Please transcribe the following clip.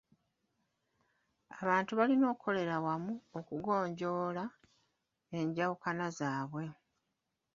Abantu balina okukolera awamu okugonjoola enjawukana zaabwe.